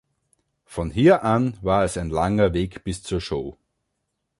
Von hier an war es ein langer Weg bis zur Show.